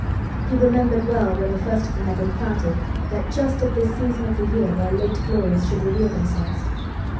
He remembered well when the first of them had been planted that just at this season of the year their late glories should reveal themselves.